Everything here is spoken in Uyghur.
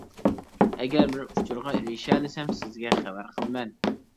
ئەگەر بىر ئۇچۇرغا ئېرىشەلىسەم سىزگە خەۋەر قىلىمەن.